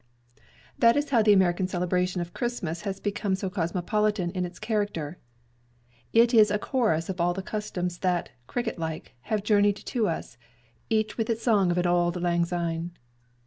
That is how the American celebration of Christmas has become so cosmopolitan in its character. It is a chorus of all the customs that, cricket like, have journeyed to us, each with its song of an "auld lang syne."